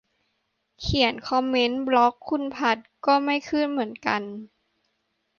เขียนคอมเมนต์บล็อกคุณภัทร ก็ไม่ขึ้นเหมือนกัน